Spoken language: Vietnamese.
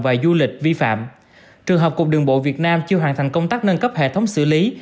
và du lịch vi phạm trường hợp cục đường bộ việt nam chưa hoàn thành công tác nâng cấp hệ thống xử lý